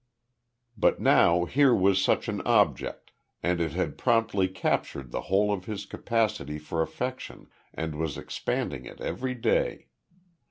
But now here was such an object, and it had promptly captured the whole of his capacity for affection and was expanding it every day.